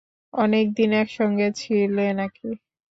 অনেকদিন একসঙ্গে ছিলে নাকি?